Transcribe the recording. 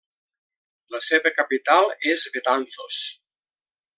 La seva capital és Betanzos.